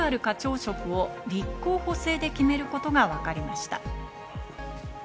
職を立候補制で決めることが分かりました。